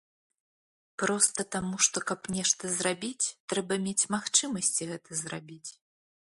Проста таму, што, каб нешта зрабіць, трэба мець магчымасці гэта зрабіць.